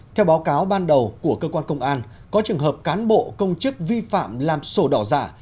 theo báo cáo ban đầu của cơ quan công an có trường hợp cán bộ công chức vi phạm làm sổ đỏ giả